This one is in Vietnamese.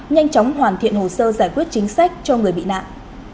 nhanh chóng hoàn thiện hồ sơ giải quyết chính sách cho người bị nạn